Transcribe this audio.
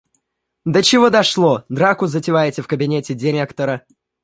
До чего дошло - драку затеваете в кабинете директора.